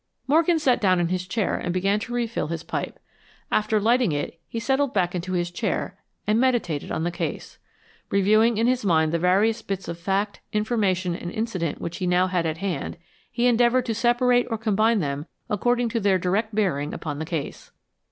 Morgan sat down in his chair and began to refill his pipe. After lighting it, he settled back into his chair and meditated on the case. Reviewing in his mind the various bits of fact, information and incident which he now had at hand, he endeavored to separate or combine them according to their direct bearing upon the case.